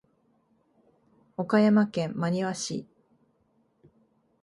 岡山県真庭市